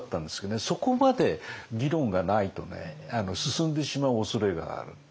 そこまで議論がないと進んでしまうおそれがある。